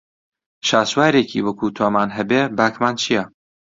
شاسوارێکی وەکوو تۆمان هەبێ باکمان چییە